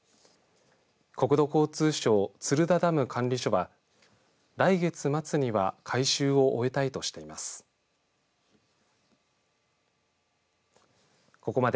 国土交通省鶴田ダム管理所は来月末には回収を終えたいとしています。